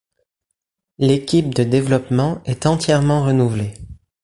L'équipe de développement est entièrement renouvelée.